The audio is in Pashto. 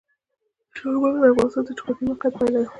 چار مغز د افغانستان د جغرافیایي موقیعت پایله ده.